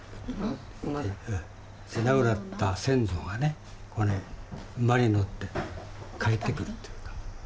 亡くなった先祖がね馬に乗って帰ってくるっていうか。